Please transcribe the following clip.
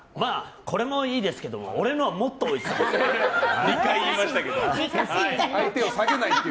これもいいですけども俺のはもっとおいしそう。